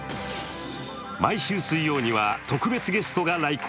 毎週水曜には特別ゲストが来校。